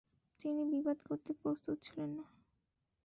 তিনি বিবাদ করতে প্রস্তুত ছিলেন না।